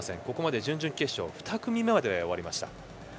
ここまで準々決勝２組目までが終わりました。